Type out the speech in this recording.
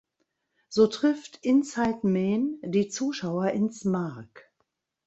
So trifft "Inside Men" die Zuschauer ins Mark.